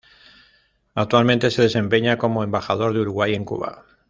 Actualmente se desempeña como embajador de Uruguay en Cuba.